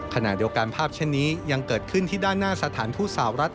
ขณะเดียวกันภาพเช่นนี้ยังเกิดขึ้นที่ด้านหน้าสถานทูตสาวรัฐ